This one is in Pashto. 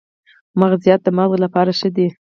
مغزيات د مغز لپاره ښه دي